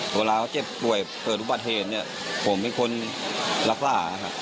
เวลาเจ็บป่วยเปิดอุปาเทศเนี้ยผมเป็นคนรักษาอ่ะครับ